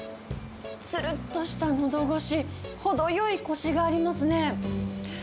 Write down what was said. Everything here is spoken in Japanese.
つるっとしたのど越し、程よいこしがありますね。